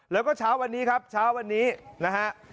แล้วก็เช้าวันนี้ครับเช้าวันนี้นะฮะ